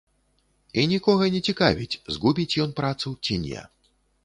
І нікога не цікавіць, згубіць ён працу ці не.